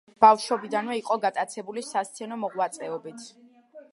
ბავშვობიდანვე იყო გატაცებული სასცენო მოღვაწეობით.